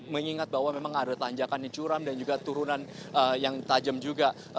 mengingat bahwa memang ada tanjakan yang curam dan juga turunan yang tajam juga